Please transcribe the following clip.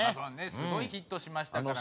すごいヒットしましたから。